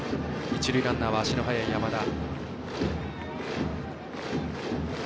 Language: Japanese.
一塁ランナーは足の速い山田。